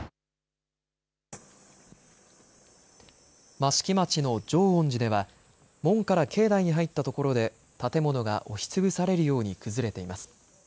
益城町の浄恩寺では門から境内に入ったところで建物が押しつぶされるように崩れています。